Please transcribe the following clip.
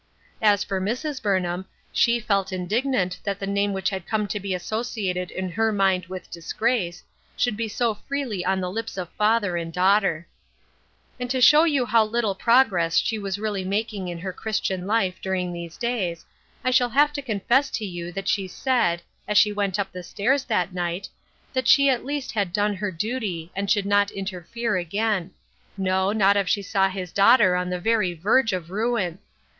As for Mrs. Burnham, she felt indignant that the name which had come to be associated in her mind with disgrace, should be so freely on the lips of father and daughter. DRIFTING. 73 And to show you how little progress she was really making in her Christian life during these days, I shall have to confess to you that she said, as she went up the stairs that night, that she at least had done her duty, and should not interfere again ; no, not if she saw his daughter on the very verge of ruin.